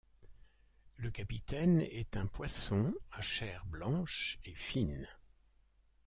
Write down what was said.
Le capitaine est un poisson à chair blanche et fine.